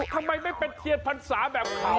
ทำไมไม่เป็นเทียนพรรษาแบบเขา